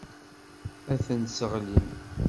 Ad ten-sseɣlin.